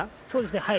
そうですね。